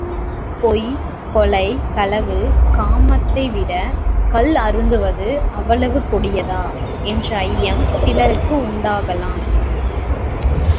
பொய், கொலை, களவு, காமத்தைவிடக் கள் அருந்துவது அவ்வளவு கொடியதா? என்ற ஐயம் சிலருக்கு உண்டாகலாம்.